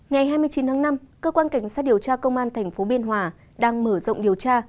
ngày hai mươi chín tháng năm cơ quan cảnh sát điều tra công an tp biên hòa đang mở rộng điều tra